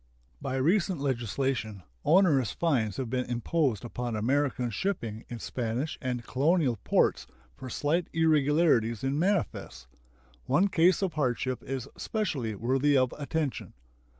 By recent legislation onerous fines have been imposed upon American shipping in Spanish and colonial ports for slight irregularities in manifests. One case of hardship is specially worthy of attention.